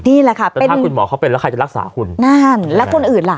นี่แหละค่ะเป็นถ้าคุณหมอเขาเป็นแล้วใครจะรักษาคุณนั่นแล้วคนอื่นล่ะ